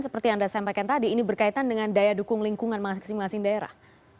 seperti yang anda sampaikan tadi ini berkaitan dengan daya dukung lingkungan masing masing daerah